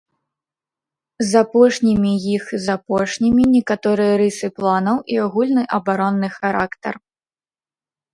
З апошнімі іх з апошнімі некаторыя рысы планаў і агульны абаронны характар.